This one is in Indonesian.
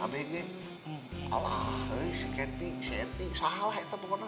alah hei si keti si eti salah itu pokoknya